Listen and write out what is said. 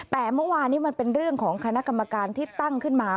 แต่เมื่อวานนี้มันเป็นเรื่องของคณะกรรมการที่ตั้งขึ้นมา